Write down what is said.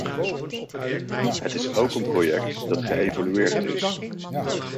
Het is ook een project dat geëvolueerd is.